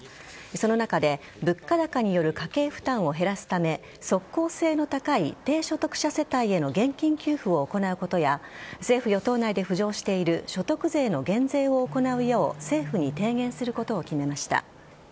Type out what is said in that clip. その中で、物価高による家計負担を減らすため即効性の高い低所得者世帯への現金給付を行うことや政府与党内で浮上している所得税の減税を行うよう政府に提言することを決めました。